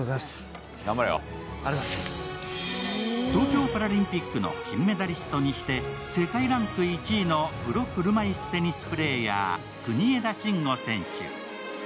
東京パラリンピックの金メダリストにして世界ランク１位のプロ車いすテニスプレーヤー・国枝慎吾選手。